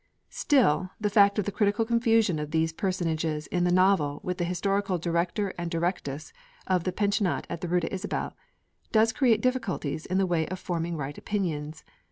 Still the fact of the critical confusion of the personages in the novel with the historical Director and Directress of the Pensionnat in the Rue d'Isabelle does create difficulties in the way of forming right opinions.